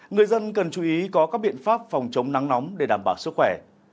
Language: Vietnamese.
người dân cần chú ý có các biện pháp phòng chống nắng nóng để đảm bảo sức khỏe